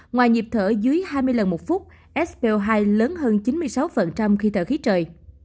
ngoài nhịp thở dưới hai mươi lần một phút sp hai lớn hơn chín mươi sáu khi thở khí trời